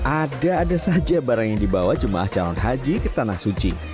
ada ada saja barang yang dibawa jemaah calon haji ke tanah suci